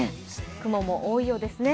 雲も多いようですね。